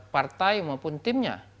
partai maupun timnya